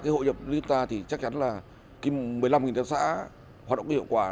hội nhập lý do chúng ta thì chắc chắn là một mươi năm đồng xã hoạt động hiệu quả